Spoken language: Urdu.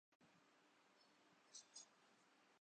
یہ سلسلہ چل رہا تھا۔